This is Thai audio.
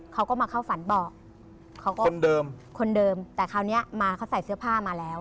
เขาก็มาเข้าฝันบอกเขาก็คนเดิมคนเดิมแต่คราวเนี้ยมาเขาใส่เสื้อผ้ามาแล้ว